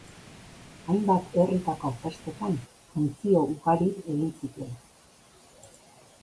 Hainbat herritako festetan funtzio ugari egin zituen.